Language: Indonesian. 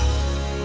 aduh kebentur lagi